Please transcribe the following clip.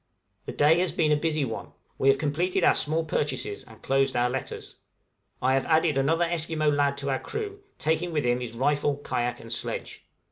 The day has been a busy one: we have completed our small purchases and closed our letters; I have added another Esquimaux lad to our crew, taking with him his rifle, kayak, and sledge.